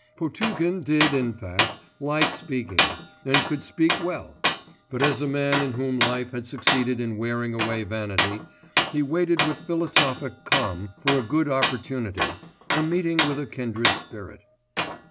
Potugin did, in fact, like speaking, and could speak well; but, as a man in whom life had succeeded in wearing away vanity, he waited with philosophic calm for a good opportunity, a meeting with a kindred spirit.